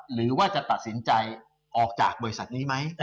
หรือว่าจะตัดสินใจออกจากบริษัทนี้ไหม